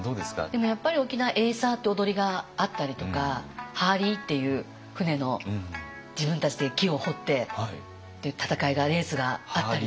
でもやっぱり沖縄エイサーって踊りがあったりとかハーリーっていう舟の自分たちで木を彫ってっていう戦いがレースがあったりとか。